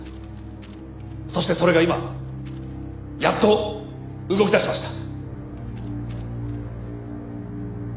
そしてそれが今やっと動きだしました。